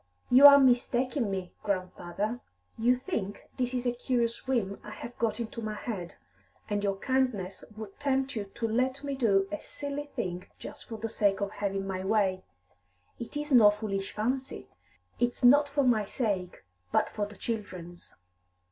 "You are mistaking me, grandfather. You think this a curious whim I have got into my head, and your kindness would tempt you to let me do a silly thing just for the sake of having my way. It is no foolish fancy. It's not for my sake, but for the children's."